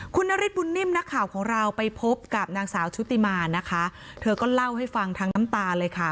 คุณนฤทธบุญนิ่มนักข่าวของเราไปพบกับนางสาวชุติมานะคะเธอก็เล่าให้ฟังทั้งน้ำตาเลยค่ะ